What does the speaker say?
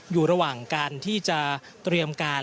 อยู่ระหว่างการที่จะเตรียมการ